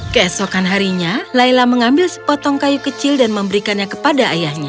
keesokan harinya layla mengambil sepotong kayu kecil dan memberikannya kepada ayahnya